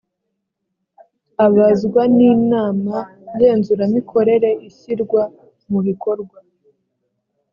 abazwa n inama ngenzuramikorere ishyirwa mubikorwa